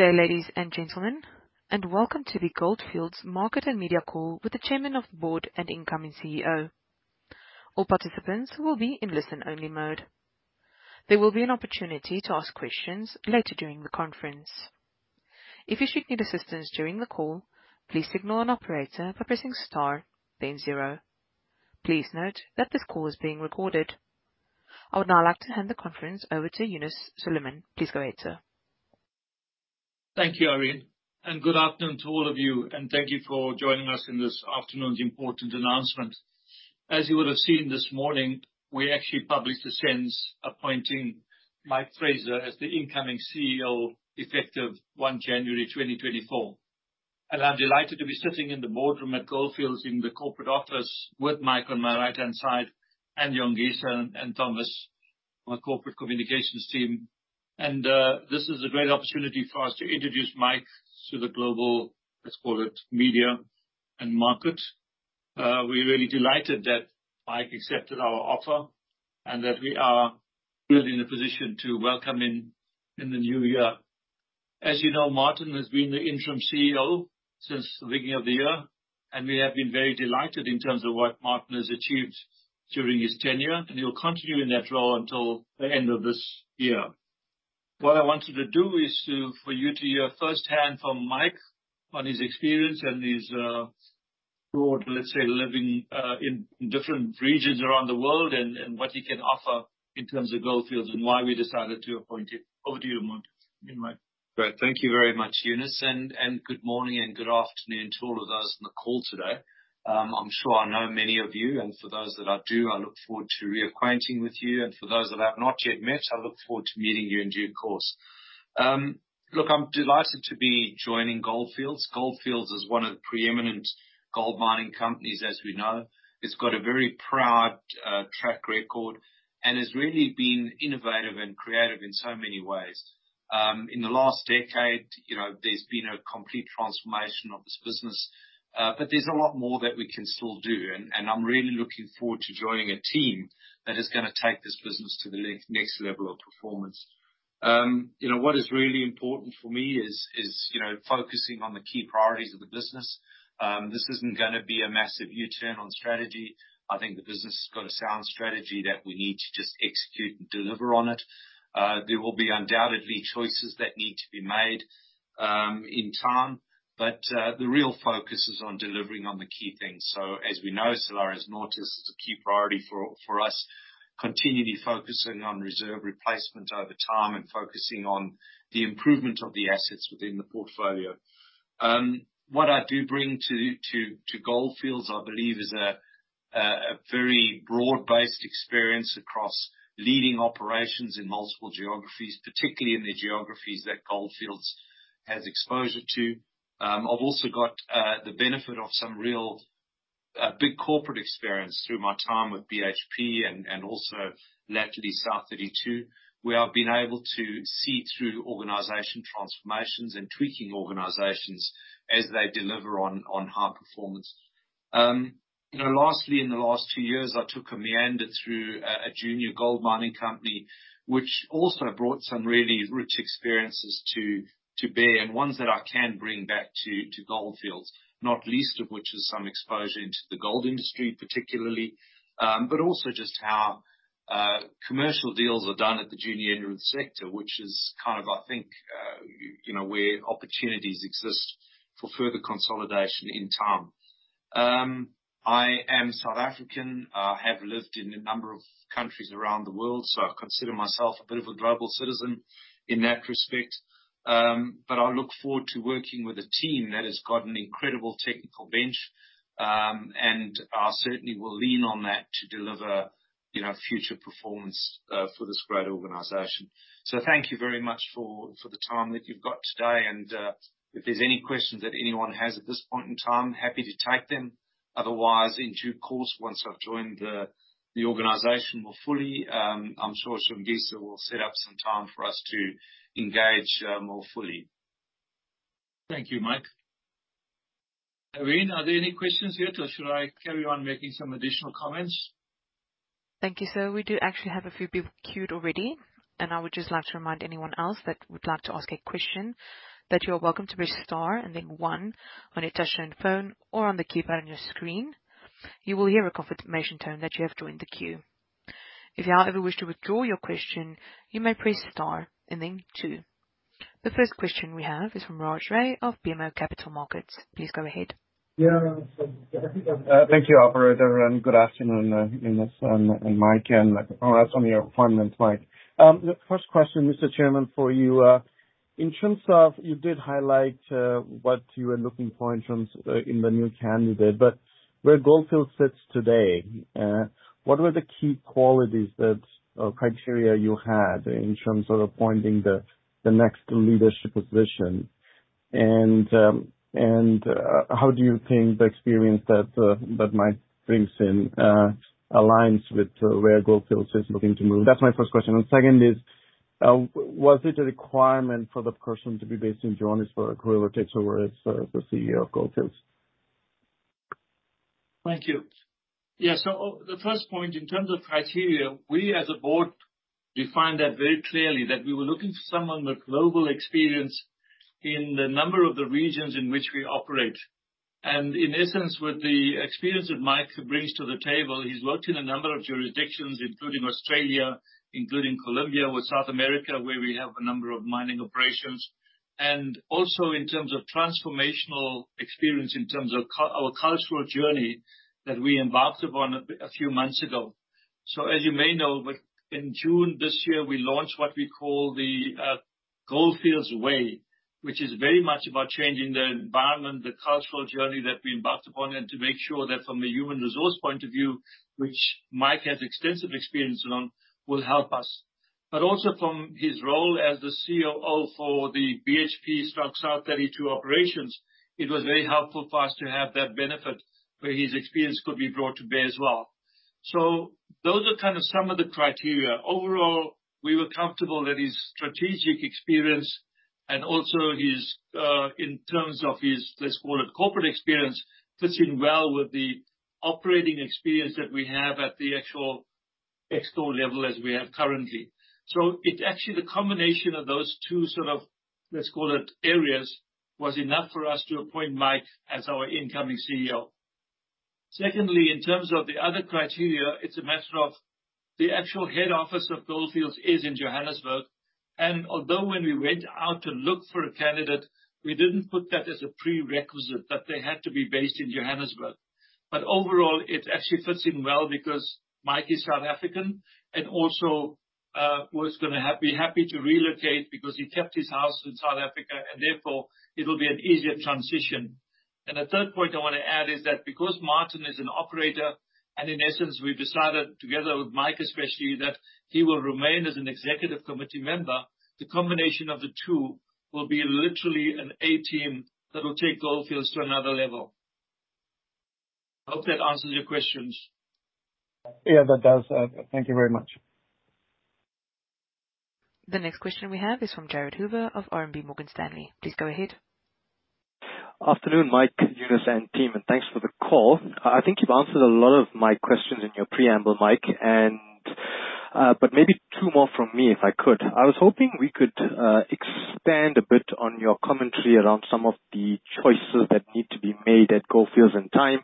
Good day, ladies and gentlemen, and welcome to the Gold Fields Market and Media Call with the Chairman of the Board and incoming CEO. All participants will be in listen-only mode. There will be an opportunity to ask questions later during the conference. If you should need assistance during the call, please signal an operator by pressing star then zero. Please note that this call is being recorded. I would now like to hand the conference over to Yunus Suleman. Please go ahead, sir. Thank you, Irene, good afternoon to all of you, and thank you for joining us in this afternoon's important announcement. As you would have seen this morning, we actually published a SENS appointing Mike Fraser as the incoming CEO, effective 1 January 2024. I'm delighted to be sitting in the boardroom at Gold Fields in the corporate office with Mike on my right-hand side, and Jongisa and Thomas, our corporate communications team. This is a great opportunity for us to introduce Mike to the global, let's call it, media and market. We're really delighted that Mike accepted our offer, and that we are really in a position to welcome him in the new year. As you know, Martin has been the interim CEO since the beginning of the year, and we have been very delighted in terms of what Martin has achieved during his tenure, and he will continue in that role until the end of this year. What I wanted to do is for you to hear first-hand from Mike on his experience and his broad, let's say, living in different regions around the world, and what he can offer in terms of Gold Fields and why we decided to appoint him. Over to you, Mike. Great. Thank you very much, Yunus, and good morning and good afternoon to all of those on the call today. I'm sure I know many of you, and for those that I do, I look forward to reacquainting with you, and for those that I've not yet met, I look forward to meeting you in due course. Look, I'm delighted to be joining Gold Fields. Gold Fields is one of the pre-eminent gold mining companies, as we know. It's got a very proud track record, and has really been innovative and creative in so many ways. In the last decade, you know, there's been a complete transformation of this business, but there's a lot more that we can still do. And I'm really looking forward to joining a team that is gonna take this business to the next level of performance. You know, what is really important for me is you know, focusing on the key priorities of the business. This isn't gonna be a massive U-turn on strategy. I think the business has got a sound strategy that we need to just execute and deliver on it. There will be undoubtedly choices that need to be made in time, but the real focus is on delivering on the key things. So as we know, Salares Norte is a key priority for us, continually focusing on reserve replacement over time and focusing on the improvement of the assets within the portfolio. What I do bring to Gold Fields, I believe, is a very broad-based experience across leading operations in multiple geographies, particularly in the geographies that Gold Fields has exposure to. I've also got the benefit of some real big corporate experience through my time with BHP and also lately South32, where I've been able to see through organization transformations and tweaking organizations as they deliver on high performance. You know, lastly, in the last two years, I took a meander through a junior gold mining company, which also brought some really rich experiences to bear, and ones that I can bring back to Gold Fields, not least of which is some exposure into the gold industry, particularly. But also just how commercial deals are done at the junior end of the sector, which is kind of, I think, you know, where opportunities exist for further consolidation in time. I am South African. I have lived in a number of countries around the world, so I consider myself a bit of a global citizen in that respect. But I look forward to working with a team that has got an incredible technical bench, and I certainly will lean on that to deliver, you know, future performance, for this great organization. So thank you very much for, for the time that you've got today, and, if there's any questions that anyone has at this point in time, happy to take them. Otherwise, in due course, once I've joined the, the organization more fully, I'm sure Jongisa will set up some time for us to engage, more fully. Thank you, Mike. Irene, are there any questions yet, or should I carry on making some additional comments? Thank you, sir. We do actually have a few people queued already, and I would just like to remind anyone else that would like to ask a question, that you are welcome to press star and then one on your touchtone phone or on the keypad on your screen. You will hear a confirmation tone that you have joined the queue. If you, however, wish to withdraw your question, you may press star and then two. The first question we have is from Raj Ray of BMO Capital Markets. Please go ahead. Yeah, thank you, operator, and good afternoon, Yunus and, and Mike, and congrats on your appointment, Mike. The first question, Mr. Chairman, for you. In terms of, you did highlight what you were looking for in terms in the new candidate, but where Gold Fields sits today, what were the key qualities that, or criteria you had in terms of appointing the, the next leadership position? And, how do you think the experience that, that Mike brings in aligns with where Gold Fields is looking to move? That's my first question. And second is, was it a requirement for the person to be based in Johannesburg or where it's the CEO of Gold Fields? Thank you. Yeah, so, the first point, in terms of criteria, we as a board defined that very clearly, that we were looking for someone with global experience in the number of the regions in which we operate. And in essence, with the experience that Mike brings to the table, he's worked in a number of jurisdictions, including Australia, including Colombia, with South America, where we have a number of mining operations. And also in terms of transformational experience, in terms of our cultural journey that we embarked upon a few months ago. As you may know, in June this year, we launched what we call the Gold Fields Way, which is very much about changing the environment, the cultural journey that we embarked upon, and to make sure that from a human resource point of view, which Mike has extensive experience on, will help us. Also, from his role as the COO for the BHP South32 operations, it was very helpful for us to have that benefit, where his experience could be brought to bear as well. Those are kind of some of the criteria. Overall, we were comfortable that his strategic experience, and also his, in terms of his, let's call it, corporate experience, fits in well with the operating experience that we have at the actual Exco level as we have currently. So it's actually the combination of those two sort of, let's call it, areas, was enough for us to appoint Mike as our incoming CEO. Secondly, in terms of the other criteria, it's a matter of the actual head office of Gold Fields is in Johannesburg, and although when we went out to look for a candidate, we didn't put that as a prerequisite, that they had to be based in Johannesburg. But overall, it actually fits in well because Mike is South African, and also, was gonna be happy to relocate because he kept his house in South Africa, and therefore, it'll be an easier transition. The third point I wanna add is that because Martin is an operator, and in essence, we've decided together with Mike especially, that he will remain as an executive committee member, the combination of the two will be literally an A team that will take Gold Fields to another level. I hope that answers your questions. Yeah, that does. Thank you very much. The next question we have is from Jared Hoover of RMB Morgan Stanley. Please go ahead. Afternoon, Mike, Yunus, and team, and thanks for the call. I think you've answered a lot of my questions in your preamble, Mike, and but maybe two more from me, if I could. I was hoping we could expand a bit on your commentary around some of the choices that need to be made at Gold Fields and time.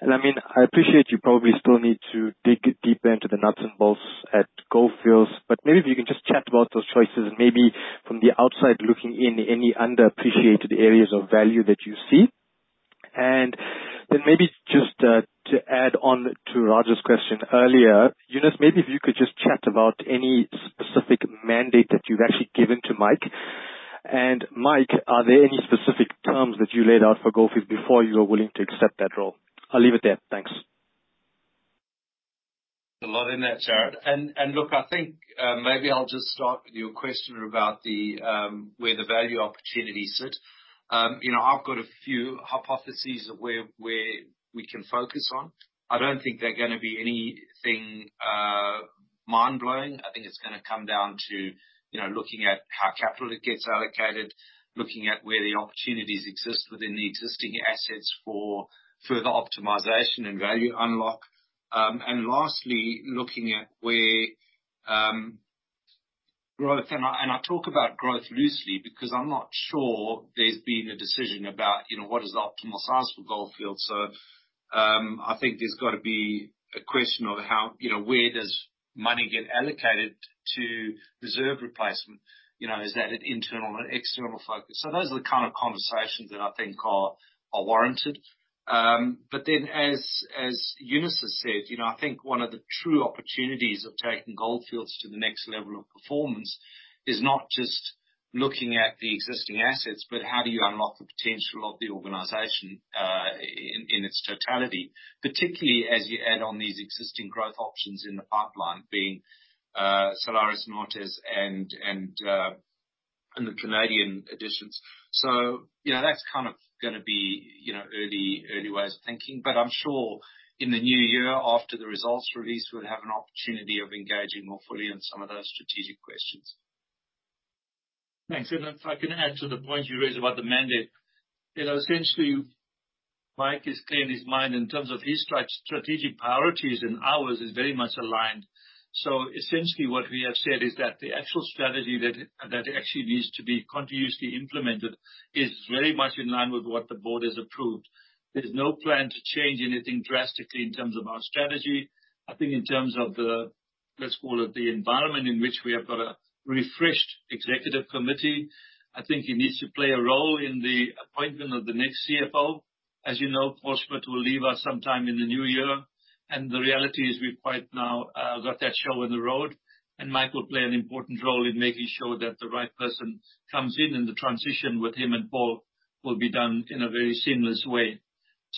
And I mean, I appreciate you probably still need to dig deeper into the nuts and bolts at Gold Fields, but maybe if you can just chat about those choices, and maybe from the outside looking in, any underappreciated areas of value that you see. And then maybe just to add on to Raj's question earlier, Yunus, maybe if you could just chat about any specific mandate that you've actually given to Mike. Mike, are there any specific terms that you laid out for Gold Fields before you were willing to accept that role? I'll leave it there. Thanks. A lot in there, Jared. And look, I think, maybe I'll just start with your question about the, where the value opportunities sit. You know, I've got a few hypotheses of where we can focus on. I don't think they're gonna be anything, mind-blowing. I think it's gonna come down to, you know, looking at how capital it gets allocated, looking at where the opportunities exist within the existing assets for further optimization and value unlock. And lastly, looking at where, growth. And I talk about growth loosely, because I'm not sure there's been a decision about, you know, what is the optimal size for Gold Fields. So, I think there's got to be a question of how, you know, where does money get allocated to reserve replacement? You know, is that an internal or external focus? So those are the kind of conversations that I think are, are warranted. But then as, as Yunus has said, you know, I think one of the true opportunities of taking Gold Fields to the next level of performance is not just looking at the existing assets, but how do you unlock the potential of the organization, in its totality, particularly as you add on these existing growth options in the pipeline, being Salares, Martabe, and the Canadian additions. So, you know, that's kind of gonna be, you know, early, early ways of thinking. But I'm sure in the new year, after the results release, we'll have an opportunity of engaging more fully in some of those strategic questions. Thanks. And if I can add to the point you raised about the mandate, you know, essentially, Mike is clear in his mind in terms of his strategic priorities, and ours is very much aligned. So essentially, what we have said is that the actual strategy that actually needs to be continuously implemented is very much in line with what the board has approved. There's no plan to change anything drastically in terms of our strategy. I think in terms of the, let's call it, environment in which we have got a refreshed executive committee, I think he needs to play a role in the appointment of the next CFO. As you know, Paul Schmidt will leave us sometime in the new year, and the reality is we've quite now got that show on the road, and Mike will play an important role in making sure that the right person comes in, and the transition with him and Paul will be done in a very seamless way.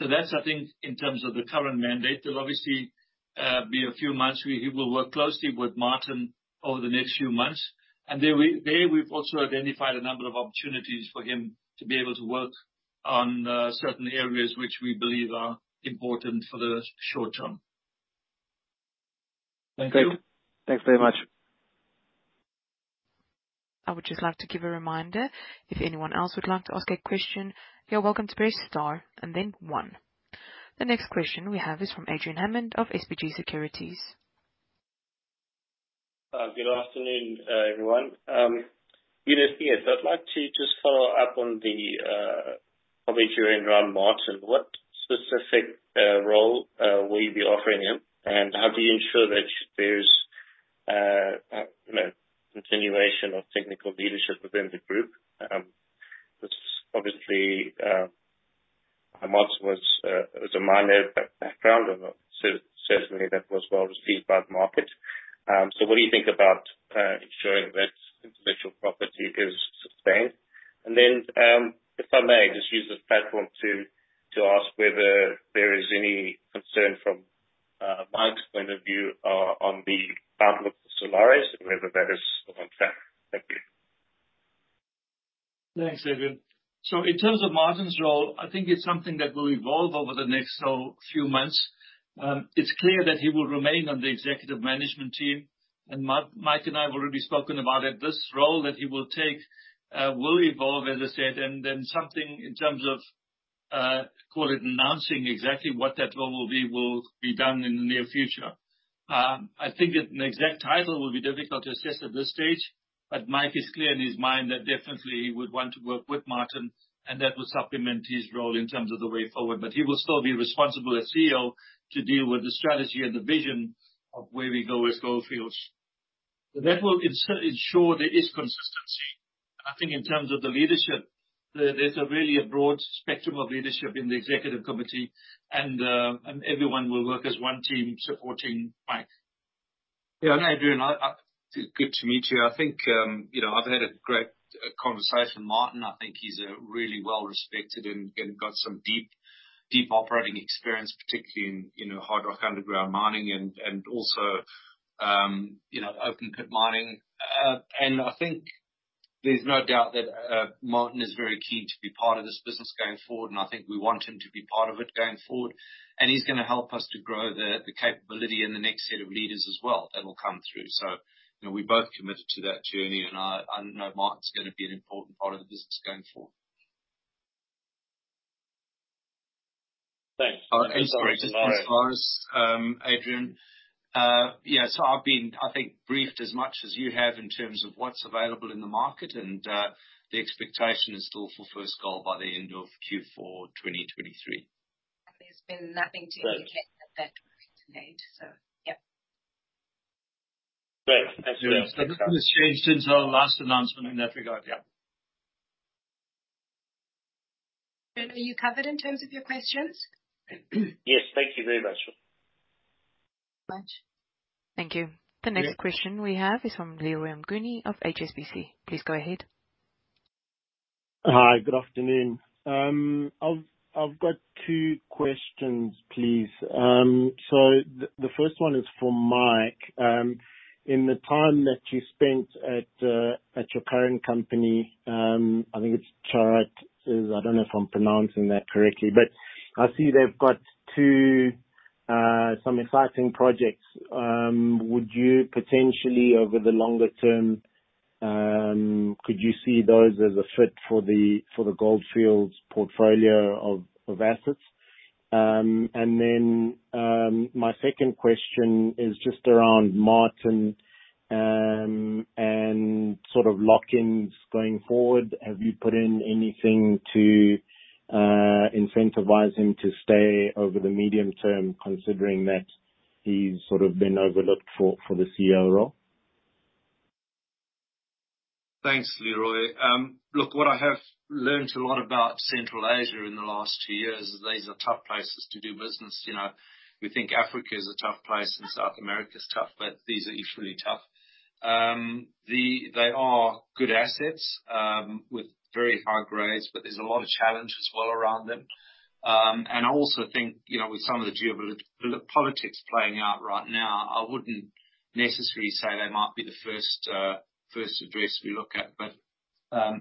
I think, in terms of the current mandate, there'll obviously be a few months where he will work closely with Martin over the next few months. There, we've also identified a number of opportunities for him to be able to work on certain areas which we believe are important for the short term. Thank you. Great. Thanks very much. I would just like to give a reminder, if anyone else would like to ask a question, you're welcome to press star and then one. The next question we have is from Adrian Hammond of SBG Securities. Good afternoon, everyone. Good to see you. I'd like to just follow-up on the, obviously, around Martin. What specific role will you be offering him, and how do you ensure that there's, you know, continuation of technical leadership within the group? Which obviously, Martin was a mine background, and certainly that was well received by the market. What do you think about ensuring that intellectual property is sustained? If I may just use this platform to ask whether there is any concern from Mike's point of view on the outlook for Salares, whether that is on track? Thank you. Thanks, Adrian. In terms of Martin's role, I think it's something that will evolve over the next few months. It's clear that he will remain on the executive management team, and Mike and I have already spoken about it. This role that he will take will evolve, as I said, and then something in terms of, call it announcing exactly what that role will be, will be done in the near future. I think that an exact title will be difficult to assess at this stage, but Mike is clear in his mind that definitely he would want to work with Martin, and that will supplement his role in terms of the way forward. He will still be responsible as CEO to deal with the strategy and the vision of where we go with Gold Fields. So that will ensure there is consistency. I think in terms of the leadership, there, there's a really a broad spectrum of leadership in the executive committee, and, and everyone will work as one team supporting Mike. Yeah, Adrian, good to meet you. I think, you know, I've had a great conversation with Martin. I think he's a really well-respected and got some deep operating experience, particularly in, you know, hard rock underground mining and also, you know, open pit mining. And I think there's no doubt that Martin is very keen to be part of this business going forward, and I think we want him to be part of it going forward. And he's gonna help us to grow the capability and the next set of leaders as well, that will come through. So, you know, we're both committed to that journey, and I know Martin's gonna be an important part of the business going forward. Thanks. As far as Adrian, yes, I've been, I think, briefed as much as you have in terms of what's available in the market, and the expectation is still for first gold by the end of Q4 2023. There's been nothing to indicate that that will change, so yep. Great. Thanks very much. Nothing has changed since our last announcement in that regard, yeah. Are you covered in terms of your questions? Yes. Thank you very much. Thanks. Thank you. The next question we have is from Leroy Mnguni of HSBC. Please go ahead. Hi, good afternoon. I've got two questions, please. So the first one is for Mike. In the time that you spent at your current company, I think it's Chaarat—I don't know if I'm pronouncing that correctly—but I see they've got two, some exciting projects. Would you potentially, over the longer term, could you see those as a fit for the Gold Fields portfolio of assets? And then, my second question is just around Martin and sort of lock-ins going forward. Have you put in anything to incentivize him to stay over the medium term, considering that he's sort of been overlooked for the CEO role? Thanks, Leroy. Look, what I have learnt a lot about Central Asia in the last few years, is these are tough places to do business. You know, we think Africa is a tough place, and South America is tough, but these are equally tough. They are good assets, with very high grades, but there's a lot of challenge as well around them. And I also think, you know, with some of the politics playing out right now, I wouldn't necessarily say they might be the first, first address we look at. But,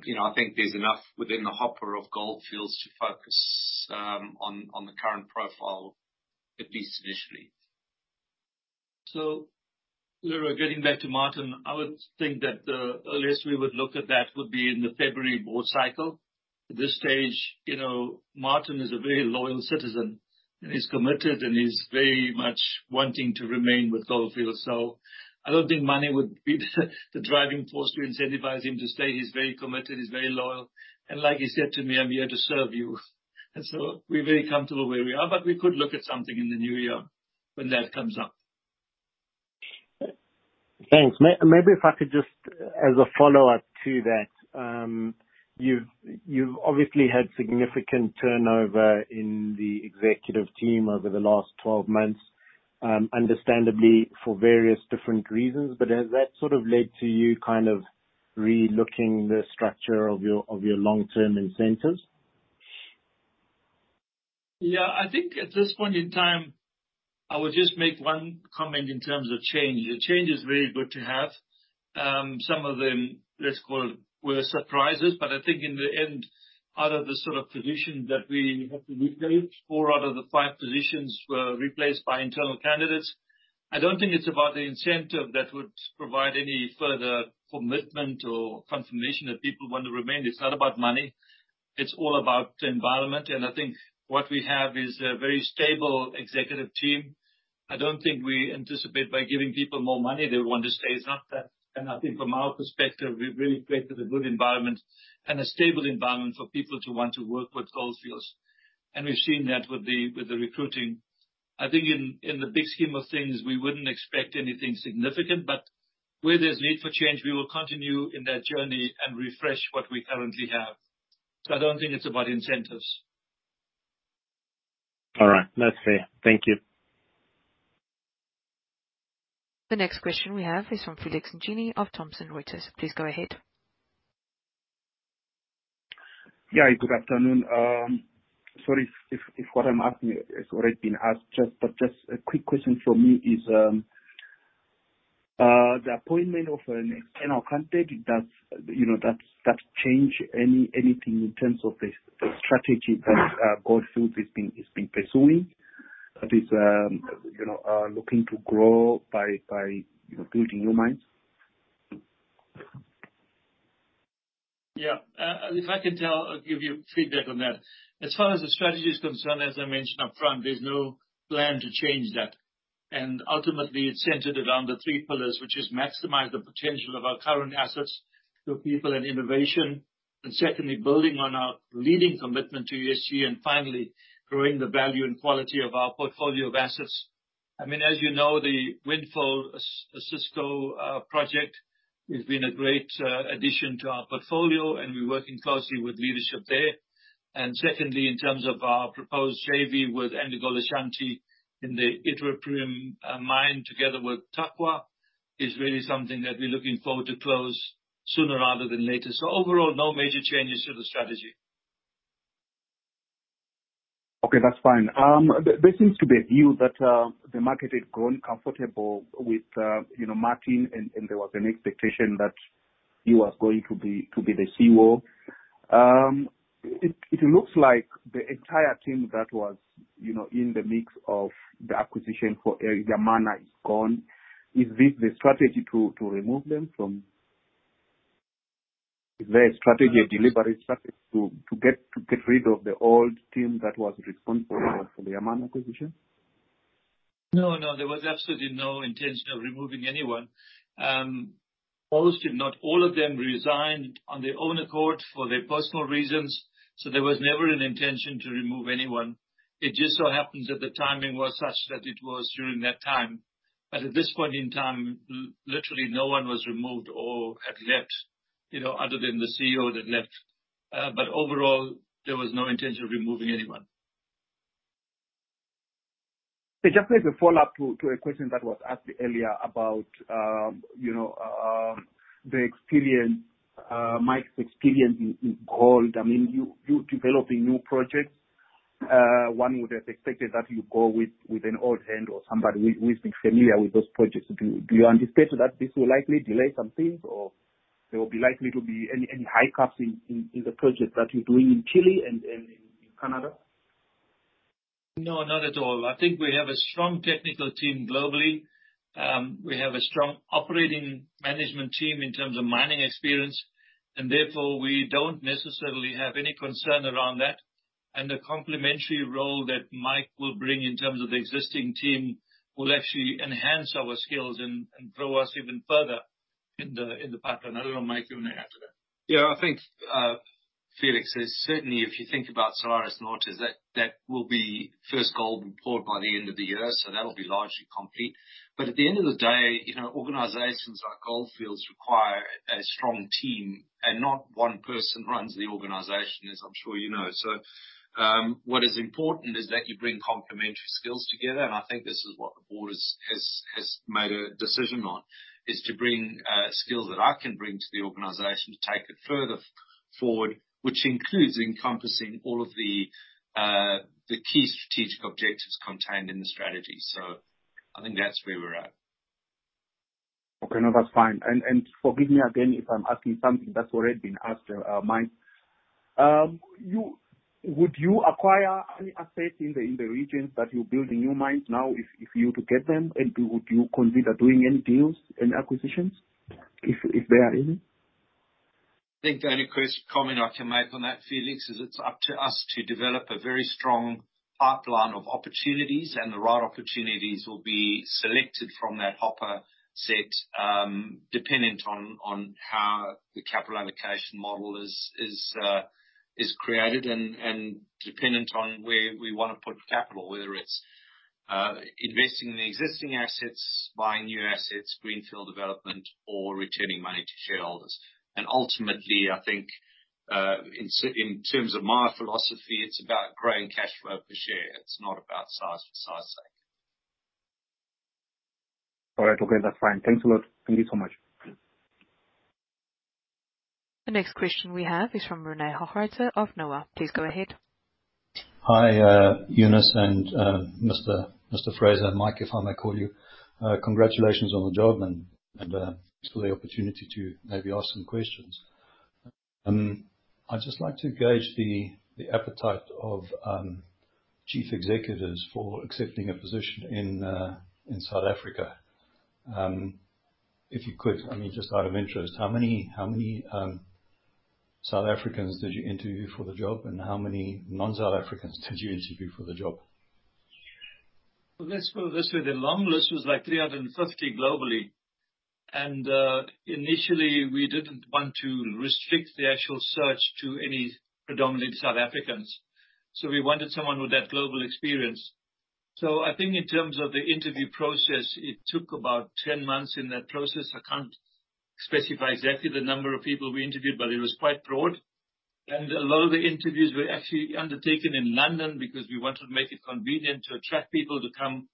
you know, I think there's enough within the hopper of Gold Fields to focus on the current profile, at least initially. So Leroy, getting back to Martin, I would think that the earliest we would look at that would be in the February board cycle. At this stage, you know, Martin is a very loyal citizen, and he's committed, and he's very much wanting to remain with Gold Fields. So I don't think money would be the driving force to incentivize him to stay. He's very committed, he's very loyal, and like he said to me, "I'm here to serve you." And so we're very comfortable where we are, but we could look at something in the new year when that comes up. Thanks. Maybe if I could just, as a follow-up to that, you've obviously had significant turnover in the executive team over the last 12 months, understandably, for various different reasons, but has that sort of led to you kind of relooking the structure of your long-term incentives? Yeah. I think at this point in time, I would just make one comment in terms of change. The change is very good to have. Some of them, let's call it, were surprises, but I think in the end, out of the sort of positions that we have to replace, four out of the five positions were replaced by internal candidates. I don't think it's about the incentive that would provide any further commitment or confirmation that people want to remain. It's not about money. It's all about the environment, and I think what we have is a very stable executive team. I don't think we anticipate by giving people more money, they want to stay. It's not that. And I think from our perspective, we've really created a good environment and a stable environment for people to want to work with Gold Fields. We've seen that with the recruiting. I think in the big scheme of things, we wouldn't expect anything significant, but where there's need for change, we will continue in that journey and refresh what we currently have. So I don't think it's about incentives. All right. That's fair. Thank you. The next question we have is from Felix Njini of Thomson Reuters. Please go ahead. Yeah, good afternoon. Sorry if what I'm asking has already been asked, just, but just a quick question from me is, the appointment of an external candidate, does that change anything in terms of the strategy that Gold Fields has been pursuing? That is, you know, looking to grow by, you know, building new mines. Yeah. If I can tell, give you feedback on that. As far as the strategy is concerned, as I mentioned up front, there's no plan to change that. And ultimately, it's centered around the three pillars, which is maximize the potential of our current assets through people and innovation. And secondly, building on our leading commitment to ESG, and finally, growing the value and quality of our portfolio of assets. I mean, as you know, the Windfall Osisko project has been a great addition to our portfolio, and we're working closely with leadership there. And secondly, in terms of our proposed JV with AngloGold Ashanti in the Iduapriem mine, together with Tarkwa, is really something that we're looking forward to close sooner rather than later. So overall, no major changes to the strategy. Okay, that's fine. There seems to be a view that the market has grown comfortable with you know Martin and there was an expectation that he was going to be the CEO. It looks like the entire team that was you know in the mix of the acquisition for Yamana is gone. Is this the strategy to remove them from is there a strategy, a delivery strategy, to get rid of the old team that was responsible for the Yamana acquisition? No, no, there was absolutely no intention of removing anyone. Most, if not all of them, resigned on their own accord for their personal reasons, so there was never an intention to remove anyone. It just so happens that the timing was such that it was during that time. But at this point in time, literally no one was removed or had left, you know, other than the CEO that left. But overall, there was no intention of removing anyone. Just as a follow-up to a question that was asked earlier about, you know, the experience, Mike's experience in gold. I mean, you're developing new projects. One would have expected that you go with an old hand or somebody who is familiar with those projects. Do you anticipate that this will likely delay some things, or there will be likely to be any hiccups in the projects that you're doing in Chile and in Canada? No, not at all. I think we have a strong technical team globally. We have a strong operating management team in terms of mining experience, and therefore, we don't necessarily have any concern around that. And the complementary role that Mike will bring in terms of the existing team, will actually enhance our skills and grow us even further in the pipeline. I don't know, Mike, you want to add to that? Yeah, I think Felix is certainly, if you think about Salares Norte, that will be first gold poured by the end of the year, so that'll be largely complete. But at the end of the day, you know, organizations like Gold Fields require a strong team, and not one person runs the organization, as I'm sure you know. So, what is important is that you bring complementary skills together, and I think this is what the board has made a decision on, is to bring skills that I can bring to the organization to take it further forward, which includes encompassing all of the key strategic objectives contained in the strategy. So I think that's where we're at. Okay, that's fine. Forgive me again if I'm asking something that's already been asked, Mike. You-- would you acquire any assets in the regions that you're building new mines now, if you were to get them, and would you consider doing any deals, any acquisitions, if there are any? I think the only comment I can make on that, Felix, is it's up to us to develop a very strong pipeline of opportunities, and the right opportunities will be selected from that hopper set, dependent on how the capital allocation model is created and dependent on where we want to put capital, whether it's investing in the existing assets, buying new assets, greenfield development, or returning money to shareholders. And ultimately, I think, in terms of my philosophy, it's about growing cash flow per share. It's not about size for size sake. All right. Okay, that's fine. Thanks a lot. Thank you so much. The next question we have is from René Hochreiter of Noah. Please go ahead. Hi, Yunus and, Mr. Fraser, Mike, if I may call you. Congratulations on the job and for the opportunity to maybe ask some questions. I'd just like to gauge the appetite of chief executives for accepting a position in South Africa. If you could, I mean, just out of interest, how many South Africans did you interview for the job, and how many non-South Africans did you interview for the job? Well, let's put it this way, the long list was, like, 350 globally, and initially, we didn't want to restrict the actual search to any predominant South Africans, so we wanted someone with that global experience. So I think in terms of the interview process, it took about 10 months in that process. I can't specify exactly the number of people we interviewed, but it was quite broad. And a lot of the interviews were actually undertaken in London because we wanted to make it convenient to attract people to come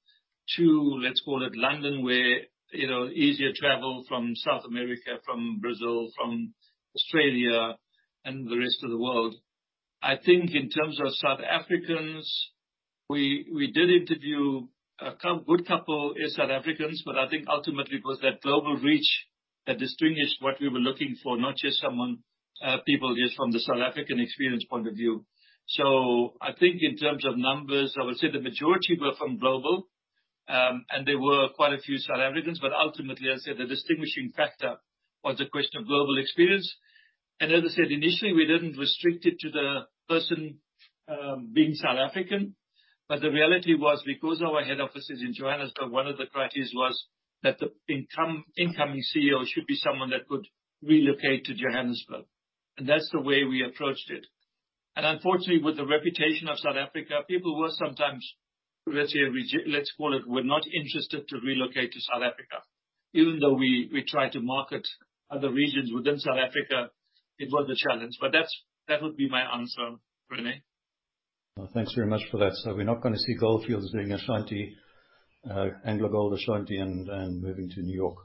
to, let's call it, London, where, you know, easier travel from South America, from Brazil, from Australia and the rest of the world. I think in terms of South Africans, we did interview a good couple of South Africans, but I think ultimately it was that global reach that distinguished what we were looking for, not just someone, people just from the South African experience point of view. So I think in terms of numbers, I would say the majority were from global. And there were quite a few South Africans, but ultimately, as I said, the distinguishing factor was a question of global experience. And as I said, initially, we didn't restrict it to the person being South African, but the reality was, because our head office is in Johannesburg, one of the criteria was that the incoming CEO should be someone that could relocate to Johannesburg, and that's the way we approached it. Unfortunately, with the reputation of South Africa, people were sometimes, let's say, reje- let's call it, were not interested to relocate to South Africa. Even though we, we tried to market other regions within South Africa, it was a challenge, but that's, that would be my answer, René. Well, thanks very much for that. We're not gonna see Gold Fields being a Ashanti, AngloGold Ashanti, and moving to New York?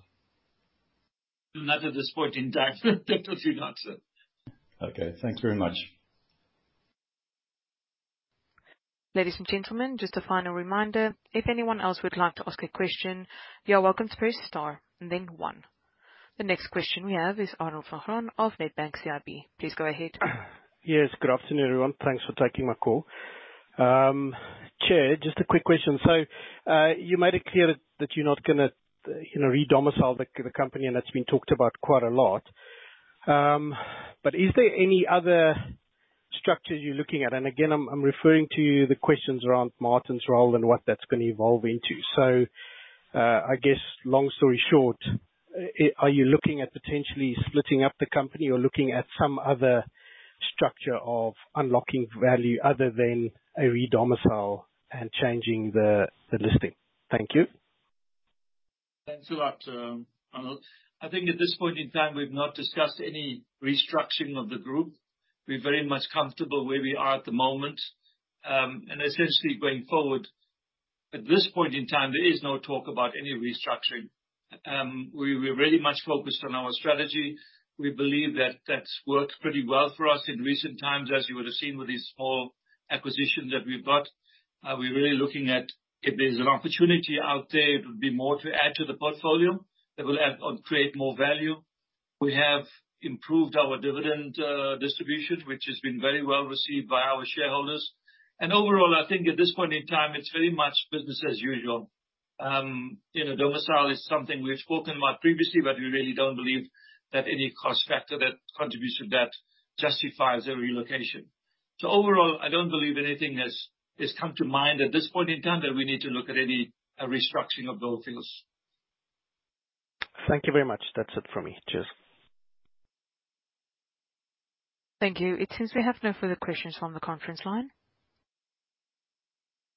Not at this point in time. Definitely not, sir. Okay, thanks very much. Ladies and gentlemen, just a final reminder, if anyone else would like to ask a question, you are welcome to press star and then one. The next question we have is Arnold Van Graan of Nedbank CIB. Please go ahead. Yes, good afternoon, everyone. Thanks for taking my call. Chair, just a quick question. So, you made it clear that you're not gonna, you know, re-domicile the company, and that's been talked about quite a lot. But is there any other structures you're looking at? And again, I'm referring to the questions around Martin's role and what that's gonna evolve into. So, I guess long story short, are you looking at potentially splitting up the company or looking at some other structure of unlocking value other than a re-domicile and changing the listing? Thank you. Thanks a lot, Arnold. I think at this point in time, we've not discussed any restructuring of the group. We're very much comfortable where we are at the moment. And essentially going forward, at this point in time, there is no talk about any restructuring. We're very much focused on our strategy. We believe that that's worked pretty well for us in recent times, as you would have seen with the small acquisition that we've got. We're really looking at if there's an opportunity out there, it would be more to add to the portfolio that will add or create more value. We have improved our dividend distribution, which has been very well received by our shareholders. And overall, I think at this point in time, it's very much business as usual. You know, domicile is something we've spoken about previously, but we really don't believe that any cost factor that contributes to that justifies a relocation. So overall, I don't believe anything has come to mind at this point in time, that we need to look at any restructuring of Gold Fields. Thank you very much. That's it for me. Cheers. Thank you. It seems we have no further questions on the conference line.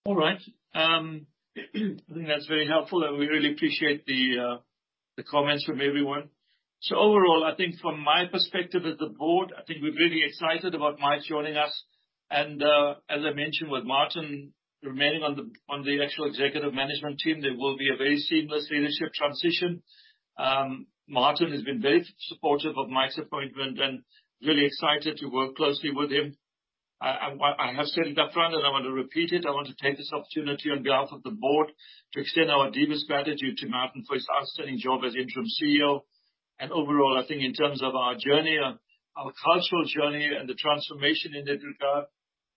All right, I think that's very helpful, and we really appreciate the, the comments from everyone. So overall, I think from my perspective as the board, I think we're really excited about Mike joining us, and, as I mentioned, with Martin remaining on the actual executive management team, there will be a very seamless leadership transition. Martin has been very supportive of Mike's appointment and really excited to work closely with him. I have said it upfront, and I want to repeat it, I want to take this opportunity on behalf of the board to extend our deepest gratitude to Martin for his outstanding job as interim CEO. And overall, I think in terms of our journey, our cultural journey and the transformation in Gold Fields,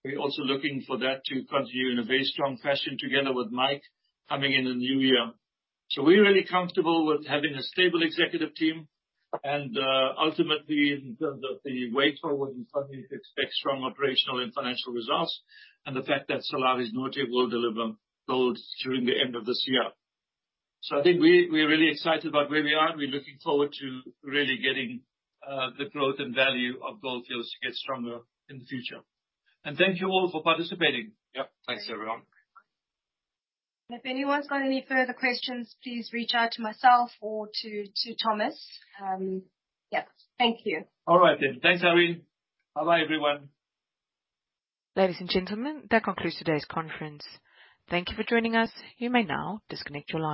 we're also looking for that to continue in a very strong fashion together with Mike coming in the new year. So we're really comfortable with having a stable executive team, and ultimately, in terms of the way forward, we continue to expect strong operational and financial results, and the fact that Salares Norte is now able to deliver gold during the end of this year. So I think we're really excited about where we are, and we're looking forward to really getting the growth and value of Gold Fields to get stronger in the future. And thank you all for participating. Yep. Thanks, everyone. If anyone's got any further questions, please reach out to myself or to Thomas. Yeah. Thank you. All right, then. Thanks, Irene. Bye-bye, everyone. Ladies and gentlemen, that concludes today's conference. Thank you for joining us. You may now disconnect your line.